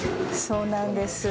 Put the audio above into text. そうなんです。